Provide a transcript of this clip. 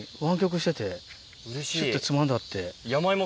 ちょっとつまんであって。